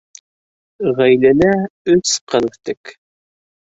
Ғаиләлә өс ҡыҙ үҫтек.